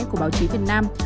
của báo chí việt nam